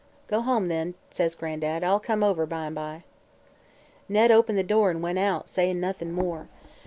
"'Go home, then,' says Gran'dad. 'I'll come over, by 'n' by.' "Ned opened the door an' went out, sayin' noth'n' more.